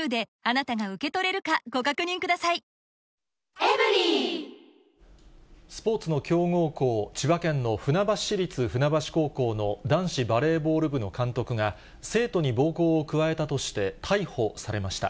顔面にボールを投げつけるなスポーツの強豪校、千葉県の船橋市立船橋高校の男子バレーボール部の監督が、生徒に暴行を加えたとして、逮捕されました。